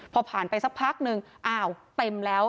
พอผ่านไปสักพักนึงอ้าวเต็มแล้ว